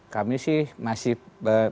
kami sih masih berhenti